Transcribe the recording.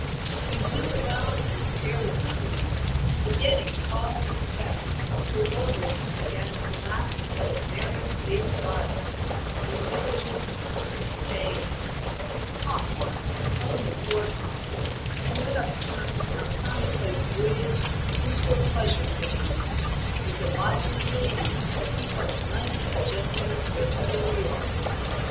He wheeled about and stared approvingly, forgetting cause in effect till Warwick began to laugh like a merry bass viol, and Moor joined him, saying "Come, Mark, own that you are conquered, and let us turn our commonplace voyage into a pleasure pilgrimage, with a lively lady to keep us knights and gentlemen wherever we are."